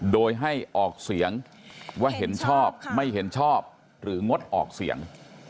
โดยให้ออกเสียงว่าเห็นชอบไม่เห็นชอบหรืองดออกเสียง